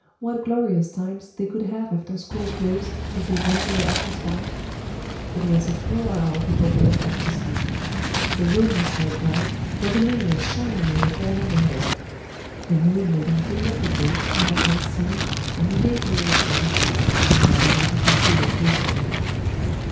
What glorious times they could have after school closed if they went to their uncle's farm! It was a full hour before Bert got to sleep. The room was quite bright, for the moon was shining in the corner window. The moon made him think of the ghost he had once seen and he gave a little shudder. He never wanted to see that ghost again.